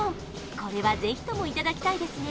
これはぜひともいただきたいですね